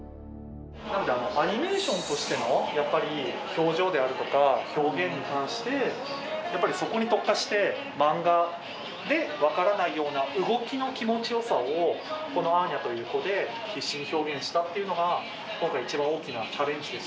アニメーションとしてもやっぱり表情であるとか表現に関してやっぱりそこに特化して漫画で分からないような動きの気持ちよさをこのアーニャという子で必死に表現したっていうのが今回一番大きなチャレンジでした。